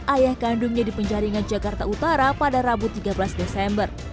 ayah kandungnya di penjaringan jakarta utara pada rabu tiga belas desember